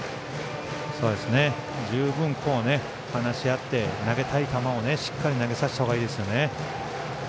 十分ここは話し合って投げたい球をしっかり投げさせた方がいいです。